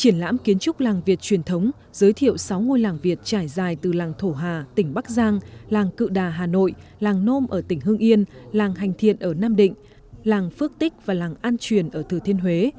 triển lãm kiến trúc làng việt truyền thống giới thiệu sáu ngôi làng việt trải dài từ làng thổ hà tỉnh bắc giang làng cự đà hà nội làng nôm ở tỉnh hưng yên làng hành thiện ở nam định làng phước tích và làng an truyền ở thừa thiên huế